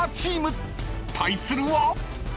［対するは］